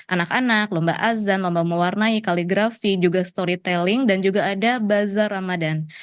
anak anak lomba azan lomba mewarnai kaligrafi juga storytelling dan juga ada bazar ramadan